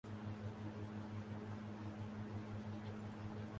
A local anesthetic is then administered into the tissue around the prostate.